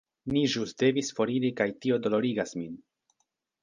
Ni ĵus devis foriri kaj tio dolorigas nin.